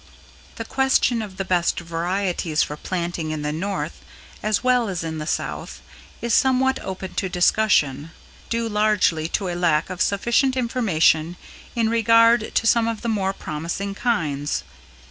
The question of the best varieties for planting in the North as well as in the South is somewhat open to discussion, due largely to a lack of sufficient information in regard to some of the more promising kinds.